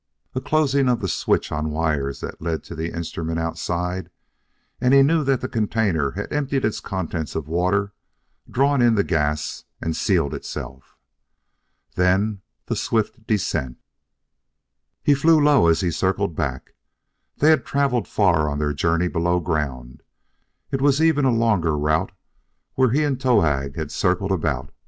A closing of the switch on wires that led to the instrument outside, and he knew that the container had emptied its contents of water, drawn in the gas and sealed itself. Then the swift descent. He flew low as he circled back. They had traveled far on their journey below ground; it was even a longer route where he and Towahg had circled about.